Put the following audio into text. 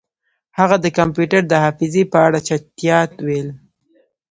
هغه د کمپیوټر د حافظې په اړه چټیات ویل